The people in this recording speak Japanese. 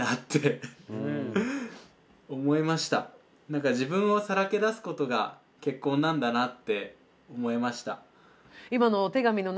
なんか自分をさらけ出すことが結婚なんだなって思いました。